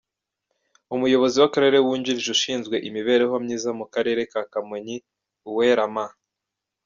Umuyobozi w’Akarere wungirije ushinzwe imibrereho myiza mu karere ka Kamonyi, Uwera M.